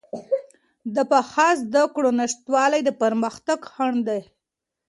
د پاخه زده کړو نشتوالی د پرمختګ خنډ دی.